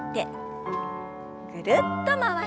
ぐるっと回して。